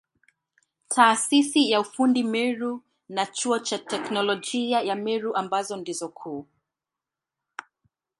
Taasisi ya ufundi Meru na Chuo cha Teknolojia ya Meru ambazo ndizo kuu.